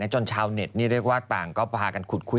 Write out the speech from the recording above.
ชาวเน็ตนี่เรียกว่าต่างก็พากันขุดคุย